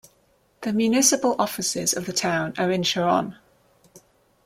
The municipal offices of the town are in Sharon.